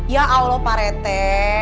ya allah pak rete